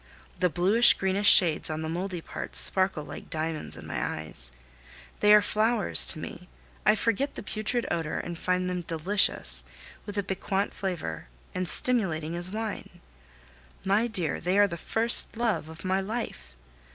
The bluish, greenish shades on the mouldy parts sparkle like diamonds in my eyes, they are flowers to me; I forget the putrid odor, and find them delicious, with a piquant flavor, and stimulating as wine. My dear, they are the first love of my life!